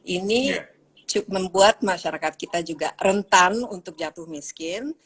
ini membuat masyarakat kita juga rentan untuk jatuh miskin